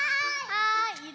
はい。